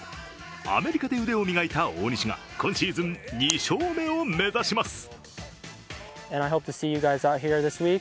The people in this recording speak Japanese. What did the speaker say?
アメリカで腕を磨いた大西が今シーズン２勝目を目指します。